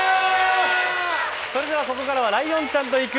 それでは、ここからはライオンちゃんと行く！